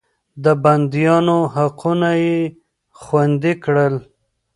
د بنديانو حقونه يې خوندي کړل.